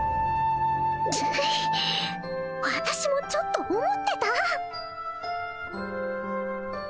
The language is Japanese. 私もちょっと思ってた！